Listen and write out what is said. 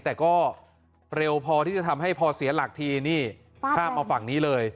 แต่ก็เร็วพอที่จะทำให้พอเสียหลักทีนี่ภาพมาฝั่งนี้เลย